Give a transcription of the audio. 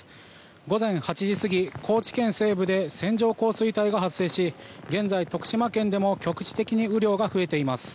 午前８時過ぎ高知県西部で線状降水帯が発生し現在、徳島県でも局地的に雨量が増えています。